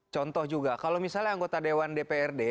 contoh juga kalau misalnya anggota dewan dprd